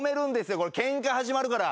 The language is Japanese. ケンカ始まるから。